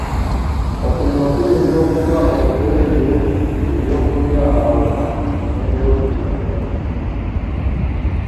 Okulima kuyinza okuba okw'ebyo eby'okulya awaka n'eby'okutunda.